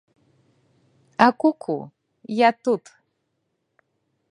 А ку-ку, я тут.